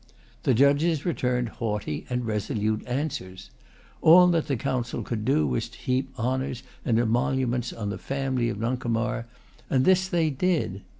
The Judges returned haughty and resolute answers. All that the Council could do was to heap honors and emoluments on the family of Nuncomar; and this they did.